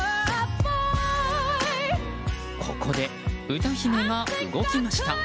ここで、歌姫が動きました。